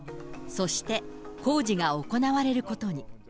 そして、工事が行われることに。